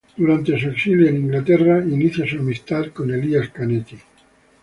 Durante su exilio en Inglaterra inicia su amistad con Elias Canetti.